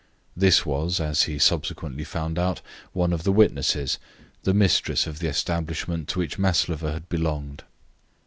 This was, as he subsequently found out, one of the witnesses, the mistress of the establishment to which Maslova had belonged.